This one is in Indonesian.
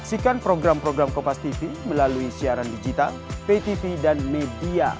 jangan maju jangan maju